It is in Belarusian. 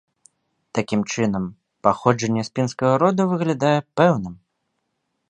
Такім чынам, паходжанне з пінскага роду выглядае пэўным.